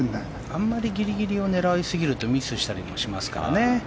あんまりギリギリを狙いすぎるとミスしたりしますからね。